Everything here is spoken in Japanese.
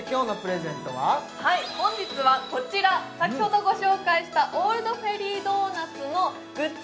そしてはい本日はこちら先ほどご紹介したオールドフェリードーナツのグッズ